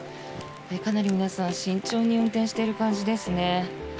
かなり皆さん、慎重に運転している感じですね。